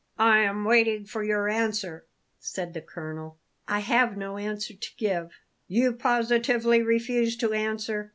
"I am waiting for your answer," said the colonel. "I have no answer to give." "You positively refuse to answer?"